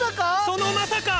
そのまさか！